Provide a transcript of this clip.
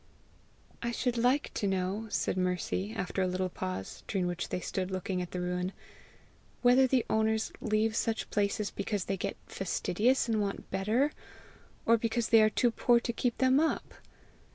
"I should like to know," said Mercy, after a little pause, during which they stood looking at the ruin, "whether the owners leave such places because they get fastidious and want better, or because they are too poor to keep them up!